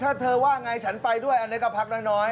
ถ้าเธอว่าไงฉันไปด้วยอันนี้ก็พักน้อย